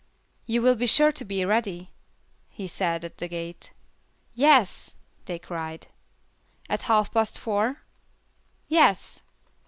"You will be sure to be ready," he said, at the gate. "Yes," they cried. "At half past four?" "Yes."